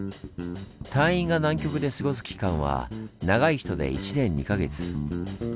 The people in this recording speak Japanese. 隊員が南極で過ごす期間は長い人で１年２か月。